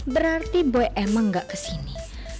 berarti boy emang gak kesini